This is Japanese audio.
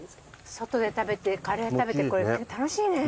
外で食べてカレー食べて楽しいね。